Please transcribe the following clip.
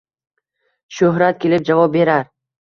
Shuhrat kelib javob berar